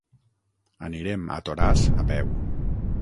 Anirem a Toràs a peu.